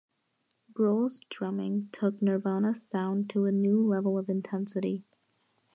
Grohl's drumming "took Nirvana's sound to a new level of intensity".